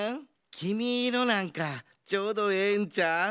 「きみイロ」なんかちょうどええんちゃう？